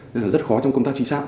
nên là rất khó trong công tác trí sát